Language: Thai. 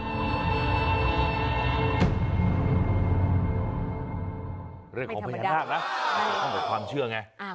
เรื่องของพญานาคนะต้องมีความเชื่อไง